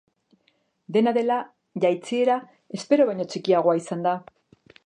Dena dela, jaitsiera espero baino txikiagoa izan da.